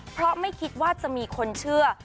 เพราะไม่คิดว่าจะมีคนเชื่อ